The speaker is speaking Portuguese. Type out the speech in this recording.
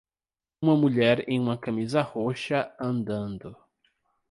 Uma mulher em uma camisa roxa andando.